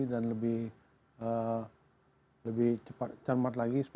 dan lebih cepat lagi